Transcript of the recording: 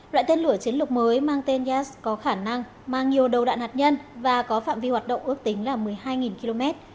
loại tên lửa chiến lược mới mang tên yas có khả năng mang nhiều đầu đạn hạt nhân và có phạm vi hoạt động ước tính là một mươi hai km